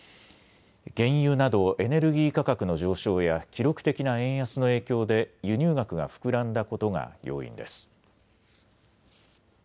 原油などエネルギー価格の上昇や記録的な円安の影響で輸入額が膨らんだことが要因です。